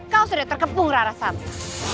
kau sudah terkepung rarasabu